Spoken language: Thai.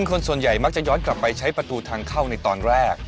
คนส่วนใหญ่มักจะย้อนกลับไปใช้ประตูทางเข้าในตอนแรก